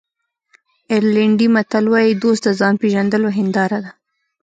آیرلېنډي متل وایي دوست د ځان پېژندلو هنداره ده.